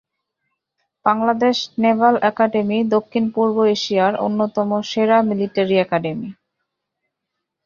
Bangladesh naval academy দক্ষিণ-পূর্ব এশিয়ার অন্যতম সেরা মিলিটারী একাডেমী।